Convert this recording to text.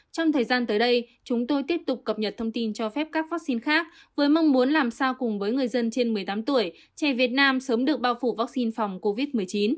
trong thời gian tới đây chúng tôi tiếp tục cập nhật thông tin cho phép các vaccine khác với mong muốn làm sao cùng với người dân trên một mươi tám tuổi trẻ việt nam sớm được bao phủ vaccine phòng covid một mươi chín